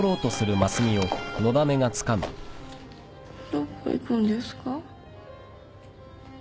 どこ行くんですか？